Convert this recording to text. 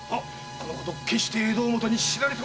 このこと決して江戸表に知られてはならぬぞ！